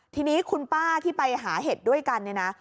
ทีนี้คุณป้าที่ไปหาเห็ดด้วยกันเนี่ยนะ